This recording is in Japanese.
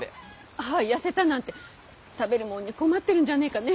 はぁ痩せたなんて食べるもんに困ってるんじゃねぇかね。